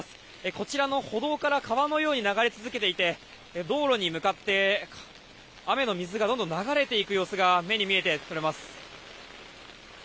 こちらの歩道から川のように流れ続けていて道路に向かって雨の水がどんどん流れていく様子が目に見えて取れます。